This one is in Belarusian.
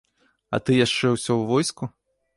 А ты яшчэ ўсё ў войску?